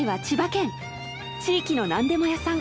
地域のなんでも屋さん！